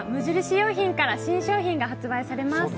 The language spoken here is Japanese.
良品から新商品が発売されます。